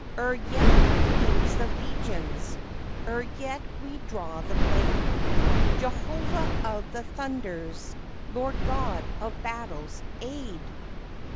Ere yet we loose the legions Ere yet we draw the blade, Jehovah of the Thunders, Lord God of Battles, aid!